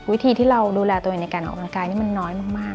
วิธีที่เราดูแลตัวเองในการออกกำลังกายนี่มันน้อยมาก